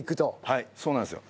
はいそうなんですよ。